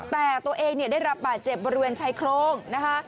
แต่ตัวเองได้รับบาดเจ็บบริเวณชายโครงนะคะ